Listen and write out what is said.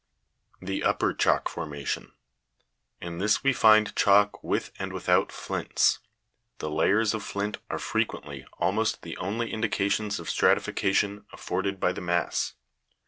15. The Upper Chalk Formation. In this we find chalk with and without flints. The layers of flint are frequently almost the only indications of stratification afforded by the mass.